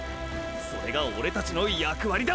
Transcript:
それがオレたちの役割だ！！